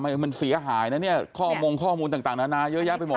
มันเสียหายนะเนี่ยข้อมูลต่างนานาเยอะแยะไปหมด